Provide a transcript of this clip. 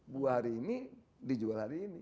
buah hari ini dijual hari ini